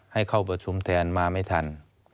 ให้เข้าประชุมแทนมาไม่ทัน